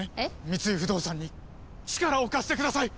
三井不動産に力を貸してください！